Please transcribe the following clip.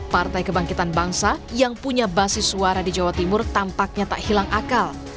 partai kebangkitan bangsa yang punya basis suara di jawa timur tampaknya tak hilang akal